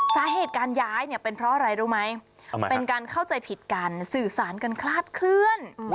สาเหตุการย้ายเนี่ยเป็นเพราะอะไรรู้ไหมเป็นการเข้าใจผิดกันสื่อสารกันคลาดเคลื่อน